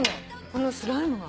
このスライムが？